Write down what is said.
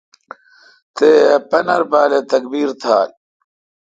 تے ا پنر بال اے°تکبیر تھال۔